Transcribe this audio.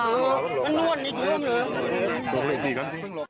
มันน่วนมีถุงเหลือ